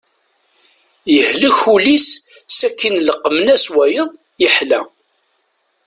Yehlek ul-is sakin leqmen-as wayeḍ yeḥla.